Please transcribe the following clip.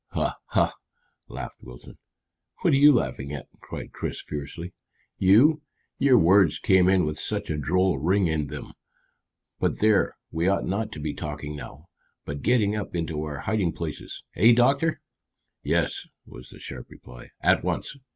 "Ha, ha!" laughed Wilton. "What are you laughing at?" cried Chris fiercely. "You your words came in with such a droll ring in them. But there, we ought not to be talking now, but getting up into our hiding places eh, doctor?" "Yes," was the sharp reply, "at once.